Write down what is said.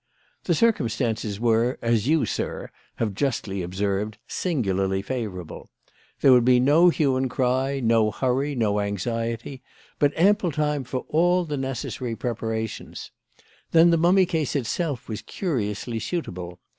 "The circumstances were, as you, sir, have justly observed, singularly favourable. There would be no hue and cry, no hurry, no anxiety; but ample time for all the necessary preparations. Then the mummy case itself was curiously suitable.